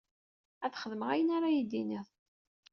Ad xedmeɣ ayen ara iyi-d-tiniḍ.